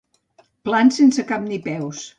Plans sense cap ni peus.